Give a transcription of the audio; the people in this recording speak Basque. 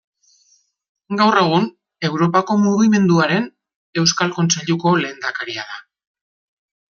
Gaur egun, Europako Mugimenduaren Euskal Kontseiluko lehendakaria da.